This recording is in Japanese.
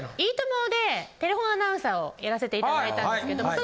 『いいとも！』でテレフォンアナウンサーをやらせていただいたんですけど。